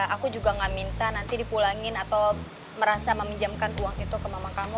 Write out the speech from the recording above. aku juga gak minta nanti dipulangin atau merasa meminjamkan uang itu ke mama kamu